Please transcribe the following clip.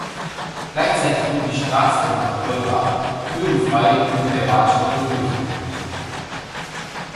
Gleichzeitig wurde die Straße nach Deubach höhenfrei unter der Bahnstrecke hindurchgeführt.